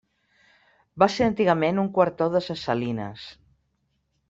Va ser antigament un quartó de ses Salines.